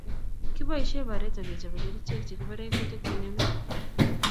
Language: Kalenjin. Kiboisie pareto kechobe kerichek chekibore kutik che ngemik